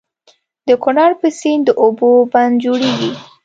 د کنړ په سيند د اوبو بند جوړيږي.